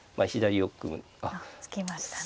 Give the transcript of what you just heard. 突きましたね。